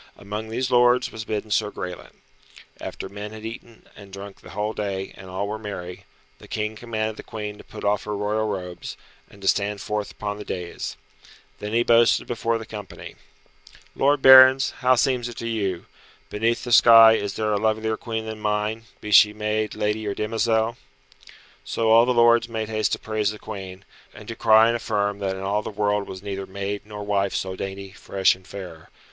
Amongst these lords was bidden Sir Graelent. After men had eaten and drunk the whole day, and all were merry, the King commanded the Queen to put off her royal robes, and to stand forth upon the dais. Then he boasted before the company, "Lord barons, how seems it to you? Beneath the sky is there a lovelier Queen than mine, be she maid, lady or demoiselle?" So all the lords made haste to praise the Queen, and to cry and affirm that in all the world was neither maid nor wife so dainty, fresh and fair.